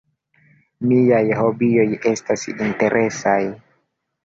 Miaj hobioj estas interesaj.